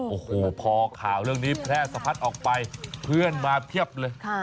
โอ้โหพอข่าวเรื่องนี้แพร่สะพัดออกไปเพื่อนมาเพียบเลย